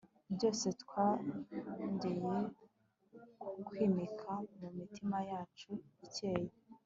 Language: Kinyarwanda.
byose, twongeye kukwimika mu mitima yacu ikeye